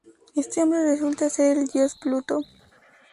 Este hombre resulta ser el dios Pluto.